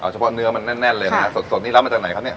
เฉพาะเนื้อมันแน่นเลยนะฮะสดนี่รับมาจากไหนครับเนี่ย